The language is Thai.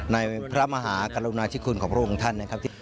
ในพระมหากรุณาธิคุณของพระองค์ท่านนะครับ